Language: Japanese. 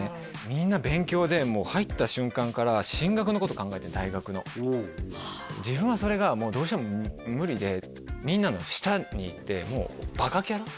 みんな勉強でもう入った瞬間から進学のこと考えて大学の自分はそれがどうしても無理でみんなの下にいてもうバカキャラ？